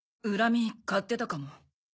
恨み買ってたかも。